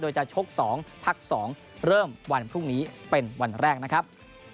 โดยจะชก๒พัก๒เริ่มวันพรุ่งนี้เป็นวันแรกนะครับ